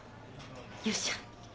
よっしゃ。